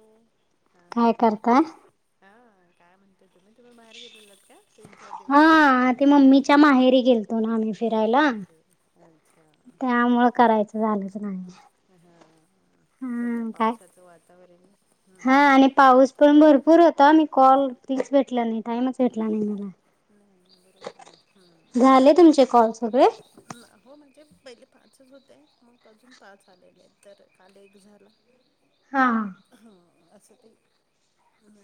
हम, हा काय करताय? हा आ. काय म्हणत्यात त्याला, तुम्ही बाहेर गेलेलात काय? तीन चार दिवस कुठेतरी, ममीच्या हा माहेरी गेल म्हणुन आम्ही ओके फिरायला ओके अच्छा त्यामुळ, करायचं झालंच नाही. हा. हा. सध्या हा काय? पावसाचं वातावरण आहे. हा हम्म आणि पाऊस पण भरपूर होता. मी कॉल तीच भेटला नाही, टाइमच भेटला नाही मला. नाही नाही. बरोबर आहे ना. हा झाले तुमचे कॉल सगळे? हम्म हो, म्हणजे पहिले पाचच होते, मग अजून पाच आलेले आहेत. तर काल एक झाला. हाहा. हम्म. असं ते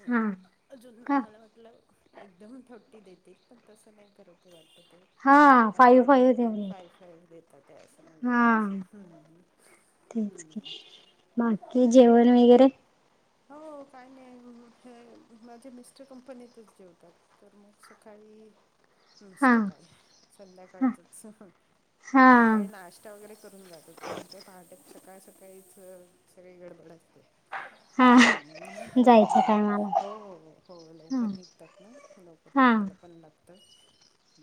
हा अजून का मला वाटलं एकदम थर्टी देतील पण तसं नाही करत वाटतं ते. हा फाईव्ह एकॉर्डिंग फाईव्ह टू ठेवले. फाइल फाईव्ह देतात. त्या, असं म्हणजे हा कसं म असं. हम्म, तेच की हम्म. हम बाकी जेवण वगैरे, हो. काय नाही म्हणून हे माझे मिस्टर कंपनीतच जेवतात तर मग सकाळी हा नसतं काय हा संध्याकाळचच, सकाळी नाश हा नाष्टा, वगैरे करून जातात आमच्यात पहाटे सकाळ सकाळीच सगळी गडबड असत्या. हा हम् जायचं हो टायमाला हो हो हा लवकर निघतात ना लव कर हा उठायला पण लागतं.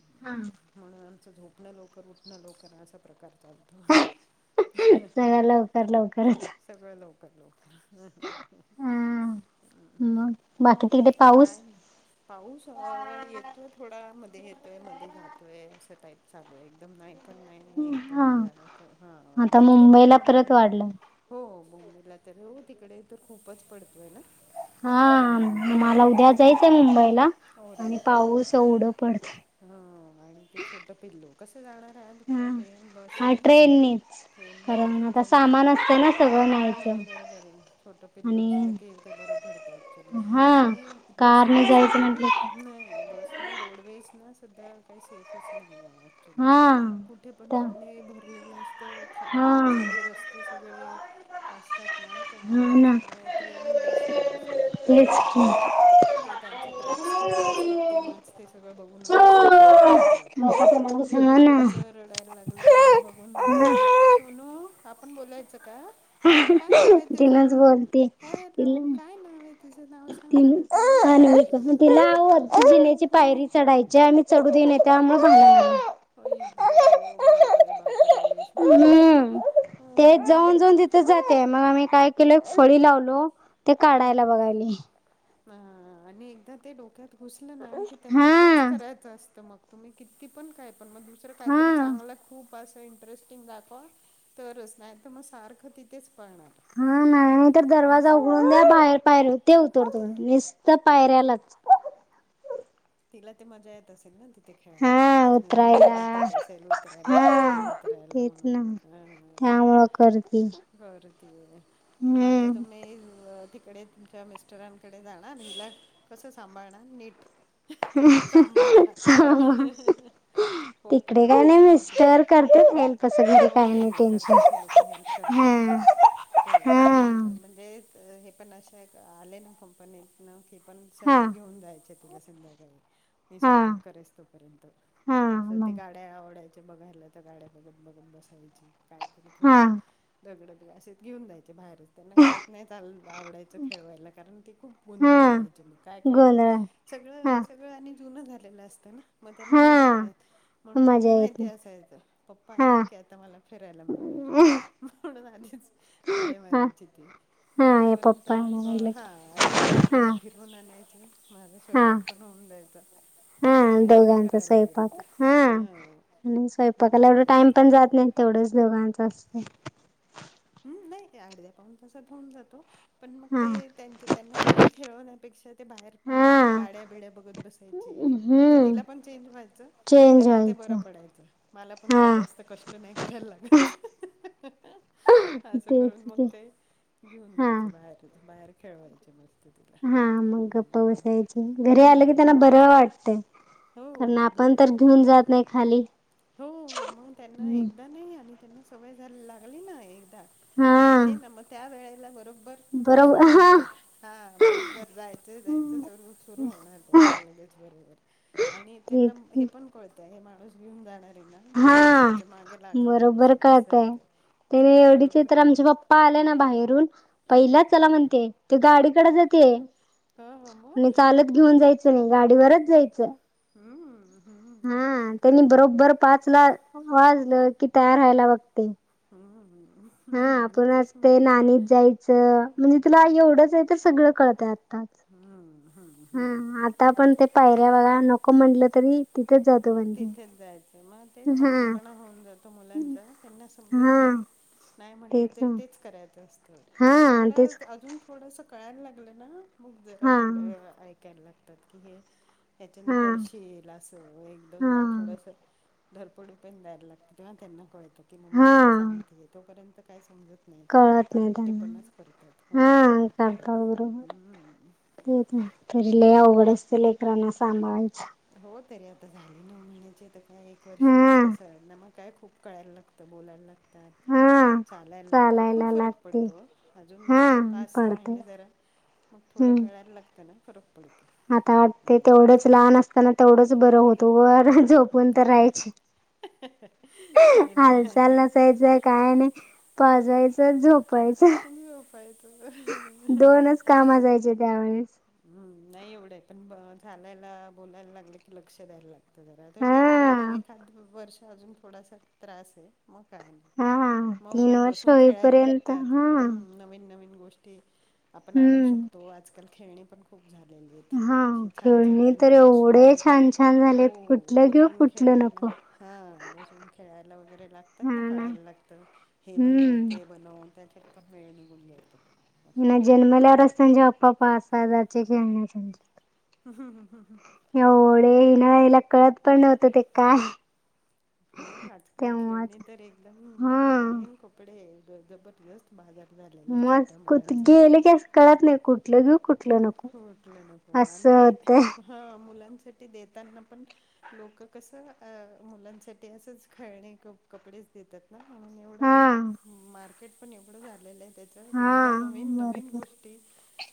हा. म्हणून आमचं झोपणं लवकर, उठणं लवकर असा प्रकार चालतो. हं ह. सगळं लवकर लवकरच सगळं लवकर लवक हा मग बाकी तिकडे पाऊस काय पाऊस येतोय थोडा मध्ये येतोय, मध्ये जातोय. असं, टाईप चालू आहे. एकदम नाही. पण नाही. एकदम हा जरास हा आता तिकडे मुंबईला फक्त परत माझ्या वाढलं हो. मुंबईला तर हो, तिकडे तर खूपच पडतोय ना. हा, हम्म. मला उद्या जायचं आहे. मुंबईला आणि पाऊस एवढं पडतं. हा आणि ते छोट पिल्लू. कसं? जाणार आहात, हा ट्रेन, हा बसने? ट्रेननीच ट्रेनने मग कारण ठीक आता आहे. म्हणजे सामान असतं ना सगळं नाही न्यायचं बरोबर आहे. छोट पिल्लू असलं आणि की ते बरोबर हा आणि बसनी कारने कस जायचं होत. म्हटलं नाही. बसने रोडवेज ना सध्या काही सेफच नाही आहे. ऍक्च्युली, हा कुठे पण पाणी भरलेलं असतं. हा वर खाली रस्त ते सगळे, असतात ना. तर हा मग ना त्याच्यामुळे ट्रेन बेस्ट आहे. तेच कमीत की कमी ते त्यांचे ट्रॅक्स क्लिअर असतात. तेव्हाच ते सगळं बगून मगच चालु करतात ट्रेन. हा पिल्लूच ना तुमचं रडायला लागल बघून घ्या. सोनू आपण बोलायचं का, अ हं काय नाव [unintelligible] आहे तीनच तुझं बोलती. पिल्लू हॅलो काय नाव आहे तुझं नाव सांग मला तू कोण बोलत गं. तिला हो वरती हो जिण्याची हो पायरी चढायची. आम्ही चढू दिली नाय त्यामुळं भांडते. हो इगो बापरे बापरे शोनू हो.. जांते मंग आम्हीं कायं केलो एक फळी लावलो ते काढायंला बघांयली. हं आणि एकदां ते डोक्यांत घुसलं नां की हा त्यांनां तेचं करायचं असतं मंग तुम्हीं किती पणं कायं पणं मंग दुसरं कांहीतरी हा चांगलं खूंप खूंप असं इंटरेस्टिंग दाखव तरचं नाहीं तरं मंग सारखं तिथेच पळणारं. हां नाहीं तरं दरवांजा उघडूंन द्यां बाहेर पायरी ते उतोरतो नसतं पायऱ्यालांच. तिलां ते मजां येतं असेल नां ते खेळायंला हा नवीन उतरायला वाटतं असेल उतरायंला चढायंला हा उतरायंला म्हणूंन अं करतें करंती आहे मंग आंता तुम्हीं तिकडे तुमच्यां मिस्टरांकडे जाणारं हिला कसं सांभाळणार नीट सांभाळां हः हं हं, हो पणं तिकडे काय आम्हीं तरं नाही म्हंटलं मिस्टर करतात हेल्प असं घरी हो काही नाहीं नाही नाहीं टेन्शन. करतांत हे लोक हेल्प. करतांत हा मं हो हा पणं म्हणजे तरं हे पणं अशा आलें नां कंपनीतून की हा पणं घेऊंन जायचे तिलां संध्याकाळी मी हा स्वयंपाक करूंन पर्यंत हा असे ते गार्डन मग गाड्यां आवडांयच्या बघायंला तरं गाड्यां बघतं बघूंन बसायंची कांहीतरी हा थोडंसं दगडं बंग असेच घेऊंन जायचे बाहेरचं त्यांना घरांत नाहीं चांल आवडायचं खेळवायंला कारणं ते खूंप हा गोंधळ घालायचे मंग कायं कायं गोंधळ हा सगळं सगळं आणि जुनं झालेलं असतं नां मंग त्यांनां मजां हा नाहीेतं म्हणूंन तिलां मजा येत माहिती नाही असायचं पप्पां आलें हा की आंता मलां फिरायंला मिळणारं म्हणूंन आलेचं उड्यां मारायंची ती हा मंग हे तोपर्यंत पप्पा येणार मंग म्हटलं की हां अर्ध्या पाऊण हा तांस फिर फिरवूंन आणांयचे माझां स्वयंपाक पणं होऊन जायंचा हां दोघांचा स्वयंपाक हां आणि हां स्वयंपाकाला एवढां टाईम पणं जातं नाहीं तेवढंच दोघांचं असतं हम्मं नाहीं अर्ध्या पाऊन तासांत होऊंन जांतो पणं मंग हा ते त्यांच्या त्यांनां घरी खेळवण्यांपेक्षा ते बाहेर मंग ते हा गाड्यां बिड्यां बघतं बसायंचे हम्म तिलां पणं चेंज व्हायचं चेंज त्यांनां ते व्हायचं बरं पडायचं मलां हा पणं जास्तं कंष्ट जास्तं नाहीं करायंला लागतं असं तेच करूंन मंग की ते घेऊंन जायचे बाहेर बाहेर खेळवायंचे मस्तं हां मंग गप्पां बसायंची घरी आलं की हम्म. त्यांनां बरं वाटतंय हो कारणं आपणं घरी तरं घेऊंन जातं नाहीं खाली हो मंग त्यांनां एकदां नाहीं आणि त्यांनां सवंय झालीं लागली नां एक हा माहितीय नां मंग त्यां वेळेला बरोबर बरोबर सुरूं हा होणारं हां बरोबर जायचं जायचंर सुरूं होणारं त्यांचं लगेच बरोबर आणि ते त्यांनां हे पणं कळतंय हे माणूंस घेऊंन जाणारं आहे नां पूर्ण हा झालं त्यांच्या मागें लागणारंच असं हांय ते त्यांने सगळं एवढीचे बरोबर तरं आमचें कळालं. पप्पां आलें नां बाहेरून हां, पहिल्यांच चलां म्हणते ते गाडीकडे हो, हो जांते मग. चालतं घेऊन जायचं नाहीं गाडीवरंच जायचं हम्मं हां त्यांनी बरोबर पांचला वाजलं की तयांर राहायंला बघते हम्मं हम्मं हां आपणं आं ते नाणीत जायचं म्हणजे तुंला एवढंच आहे तरं सगळं कळतंय आत्ताचं हम्मं हम्म आता पण ते पाहीऱ्या बघा नको म्हटलं तरी तिथेच जातोय. तिथेच जायचं मग ते हट्टीपणा होऊन जातो मुलांचा त्यांना समजत नाही. हा नाय म्हटलं तरी तेच करायचं असतं. तर हा तेच थोडं अजून थोडसा कळायला लागलं ना मग जरा हा थोडं ऐकायला लाग तात की हेच्याने हा पडशील असं एक हा दोनदा थोडसा धरपड पण द्यायला लागतं तेव्हा त्यांना कळतं की मम्मी हा काय सांगते तोपर्यंत काय समजत नाही तो कळत पर्यंत नाही हट्टे त्यांना पणाच करतात हा हम्म. होत आहे तरी लय अवघड असतय लेकरांना सांभाळायचं. हो तरी आता झाली नऊ महिन्याची तर काय एक वर्ष हा थोडासा ना मग काय खूप कळायला लागतं बोलायला लागतात. हा चालायला लागतात खूप चालायला फरक लागते पडतो अजून हा पाच-सहा पडते महिने जरा मग थोडं हम्म कळायला लागतं ना फरक पड आता वाटते तेवढंच लहान असताना तेवढंच बरं होतो वर झोपून तर राहायची. हा ना. नसायचं काय नाही पाजायचा झो पायचा आणि झोपायचं दोनच काम असायचे त्यावेळेस. हम्म नाही एवढं पण ब चालायला, बोलायला लागलं की लक्ष द्यायला लाग त जरा हे एवढं दो हा एखाद वर्ष अजून थोडासा त्रास आहे मग काय नाही. हा म तीन उलट वर्ष बसून खेळायला होईपर्यंत लागतात हा हम्म नवीन-नवीन गोष्टी आपण आणू हम्म शकतो आजकाल खेळणे पण खूप झालेली आहेत हा अशी छान छान खेळणी तर त्यांना एवढे बसवून छान छान झालेत हो कुठलं घेऊ बसवून कुठलं खेळायला नको हा बसवून खेळायला वगैरे लागतात ना कळायला लागतं हे बनवून हम्म ते बनवून त्याख्यात पण वेळ निघून जायतो हिनं जन्मल्यावर असून जे आप्पा पाच सहा हजारचे खेळण्या घेऊन दिलतं. [unintelligible] ऐवढं हिणाल्याले कळत पण नव्हतं ते काय मग आजकाल तेव्हाच खेळणी तर एकदम हा खेळणी आन कपडे द दबरदस्त बाजार झालेला आहे मस्त छोट्या कुठ मुलांचा. गेले की असं कळत नाही कुठलं घेऊ कुठलं नको असं होतय. हा मुलांसाठी देताना पण लोकं कसं अ मुलांसाठी असंच खेळणी कप कपडेच देतात ना म्हणून हा एवढं मार्केट पण एवढं झालेलं आहे त्या चा तर हा एवढ्या नवीन-नवीन भरपूर गोष्टी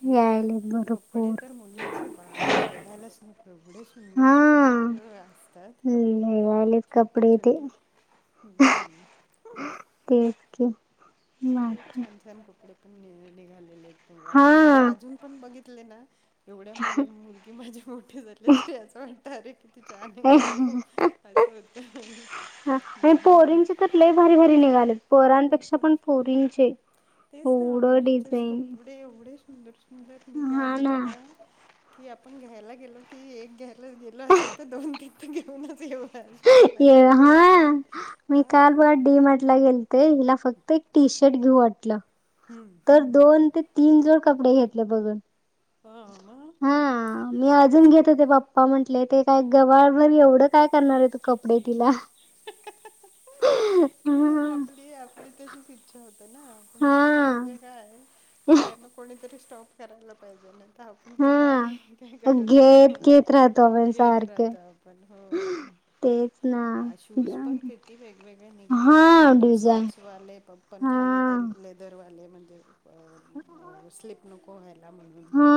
निघतात यायलेत कपडे भरपूर तर मुलीं चे बापरे बघायलाच नको एवढे हा सुंदर-सुंदर असतात कपडे लय आलेत कपडे ते छोटे-छोटे. हम्म. तेच की खूप बाकी छान-छान कपडे पण नि निघालेले आहेत ब हा आपण म्हणजे अजून पण बघितले ना एवढ्या मुली-मुलगी माझी मोठी झाले तरी असं वाटतं अरे किती छान घेऊ असं होतं. हा म हम्म पोरींचे तर लय भारी-भारी निघालेत पोरांपेक्षा खूपच पण पोरींचे तेच ना एवढं मुलींचेच डिझाईन कपडे एवढे सुंदर-सुंदर निघायलेत ना की आपण घ्यायला गेलो की एक घ्या ला गेला असेल तर दोन [unintelligible] घेऊनच येऊ. अशी अशी ये हा गोष्ट आहे. मी हा काल बघा डी मार्ट ला गेल ते हिला फक्त एक टीशर्ट घेऊ वाटलं तर दोन ते तीन जोड कपडे घेतले बघून हा मग हा मी अजून घेत होते पप्पा म्हंटले ते काय गबाळभर एवढं काय करणार आहे तू कपडे तिला नाही [unintelligible] आपली आपली तशीच इच्छा होत ना पण हा बायका म्हणजे काय मग त्यांना कोणी तर ते स्टॉप करायला पाहिजे नाहीतर आ पण तर हा काय काय खरं नाही घेत घेत राहतो आपण घेत सारखे राहतो आपण हो तेच ना हा शूज पण किती वेगवेगळे हा निघाले ते घरी डिझाईन सॉक्स वाले ब पण हा खाली ते लेदरवाले म्हणजे अह अम स्लीप नको व्हायला म्हणून हा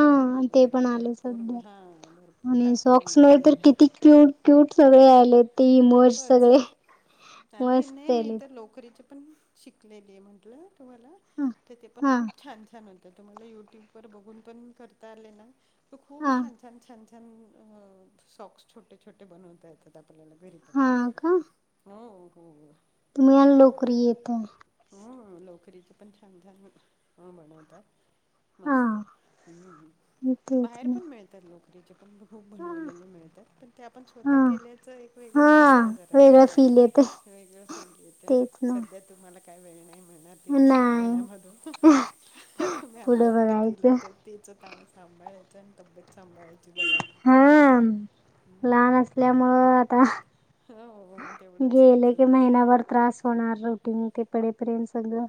ते पण वगैरे आले भरपूर सध्या हा, भरपूर आणि काय काय सॉक्स मध्ये तर निघालेलं किती क्यूट क्यूट सगळे आलेत खूपच आणि मस्त नाही मी आलेत तर लोकरीचे पण शिकलेली म्हंटलं तुम्हाला तर ते पण हा खूप छान छान आ तर तुम्हाला युट्युब वर बघून पण करता आले ना तर खूप हा छान छान छान छान अह सॉक्स छोटे छोटे बनवता येतात आपल्याला घरी पण, हा हो हो. तुम्हाला लोकरी येतं हो लोकरीचे पण छान छान हो बनवतात मस्त हा तेच बाहेर ना पण मिळतात लोकरी चे पण खूप बनवलेले मिळतात पण ते आपण स्वतः हा केल्याचं एक वेगळंच हा असत जरा वेगळं हा फील येते वेगळं फील येतं तेच ना सध्या तुम्हाला काय वेळ नाही मिळणार. तिला नाही सांभळण्या मधून, तुम्ही आपलं पुढं आपलं दिल बघायचं ते तीच ता सांभाळायच आणि तब्येत सांभाळायची बघा फक्त. हा लहान हम्म असल्यामुळ आता, हो मग तेवढंच गेले की तिचं महिनाभर त्रास होणार रूटीन ते पढेपर्यंत सगळं.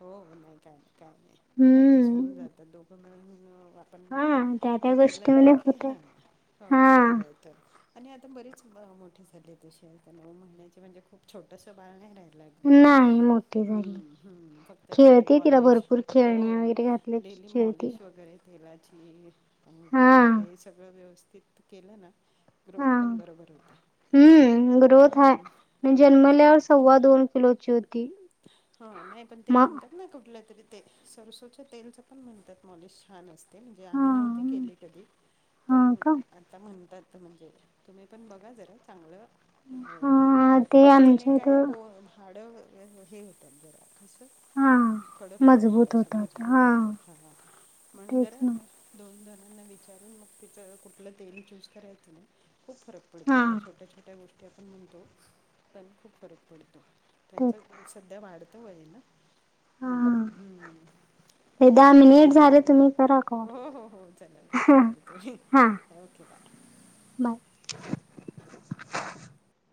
हो नाही, काय नाही, काय नाही ऍडजस्ट होऊन हम्म जाता दोघं मिळून आपण हम्म हा त्या हे त्या केलं ना गोष्टीमध्ये की होते हा हो हा होऊन जात. आणि आता बरीच मोठीे झालीये तशी आता नऊ महिन्याची म्हणजे खूप छोटस बाळ नाही राहील ते. नाही मोठी झाली. हम्म हम्म आता डेली खेळते तिला मॉलीश, भरपूर हो खेळण्या वगैरे घातल्या की डेली खेळते. मॉलिश वैगेरे वैगेरे तेलाची, हा आंघोळ हे सगळं व्यवस्थित केलं ना हा ग्रोथ पण बरोबर होते. हम्म ग्रोथ हाय. हम्म मी हम्म. जन्मल्यावर सव्वा दोन किलोची होती. हा नाही पण ते म म्हणतात हा ना कुठल्या तरी ते सरसोच्या तेलचं पण म्हणतात मॉलिश छान असत. ते म्हणजे आम्ही नव्हती केली कधी हा पण का आ ता म्हणतात म्हणजे तुम्ही पण बघा जरा चांगलं अह हे घ्या हा ते त्याच्याने आमच्या काय इथं ब हाडं हे होतात जरा कस हा [unintelligible] कडक होतात मजबूत असे होतात मजबूत हा होतात हा म्हणून तेच जरा ना दोन जणांना विचारून मग तिचं कुठलं तेल चूज करायचं ना, खूप फरक पडतो, हा ह्या छोट्या छोट्या गोष्टी आपण म्हणतो पण खूप फरक पडतो. तेच त्यांचा ग्रो सध्या वाढत वय ना? हं, ‌हं. हे दहा मिनिट झाले, तुम्ही करा. कॉल हो, हो, हो, चला ठीक आहे करते, हा ओके बाय. बाय.